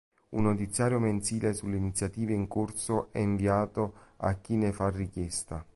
Un notiziario mensile sulle iniziative in corso è inviato a chi ne fa richiesta.